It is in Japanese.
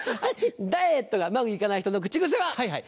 ダイエットがうまく行かない人の口癖は？